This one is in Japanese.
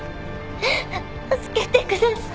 助けてください。